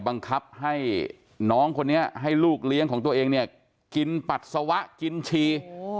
บังคับให้น้องคนนี้ให้ลูกเลี้ยงของตัวเองเนี่ยกินปัสสาวะกินชี